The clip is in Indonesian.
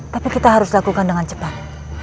tapi kita harus lakukan dengan cepat